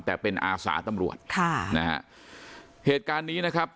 แต่เป็นอาสาตำรวจค่ะนะฮะเหตุการณ์นี้นะครับ